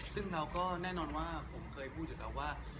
ซึ่งเราก็แน่นอนว่าผมเคยพูดอยู่แล้วว่า